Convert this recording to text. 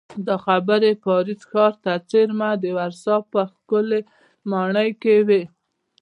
دا خبرې پاریس ښار ته څېرمه د ورسا په ښکلې ماڼۍ کې وې